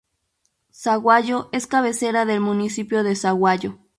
Sahuayo es cabecera del municipio de Sahuayo.